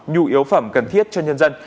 nhu yếu phẩm cần thiết cho nhân dân